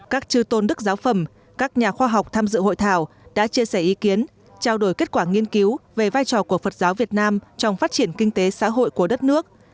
các trư tôn đức giáo phẩm các nhà khoa học tham dự hội thảo đã chia sẻ ý kiến trao đổi kết quả nghiên cứu về vai trò của phật giáo việt nam trong phát triển kinh tế xã hội của đất nước